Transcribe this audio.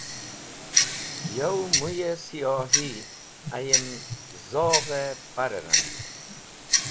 Yow muy-e siyohi ayem zogh-e par-e rang.